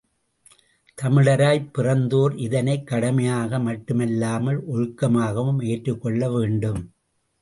தமிழராய்ப் பிறந்தோர் இதனைக் கடமையாக மட்டுமல்லாமல் ஒழுக்கமாகவும் ஏற்றுக்கொள்ள வேண்டும்.